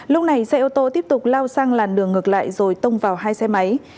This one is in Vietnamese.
lúc này xe ô tô tiếp tục lao sang làn đường ngược lại rồi tông vào hai xe máy